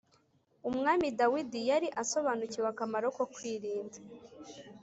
Umwami Dawidi yari asobanukiwe akamaro ko kwirinda